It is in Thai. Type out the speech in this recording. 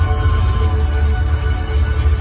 มันเป็นเมื่อไหร่แล้ว